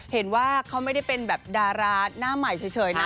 เห็นว่าเขาไม่ได้เป็นแบบดาราหน้าใหม่เฉยนะ